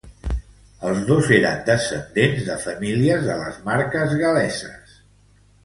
Els dos eren descendents de famílies de les Marques Gal·leses.